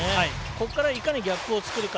ここからいかに逆をつくるか。